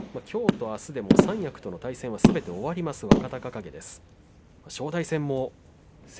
きょうとあすで三役との対戦がすべて終わります